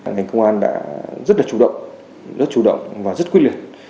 ngành công an đã rất là chủ động rất chủ động và rất quyết liệt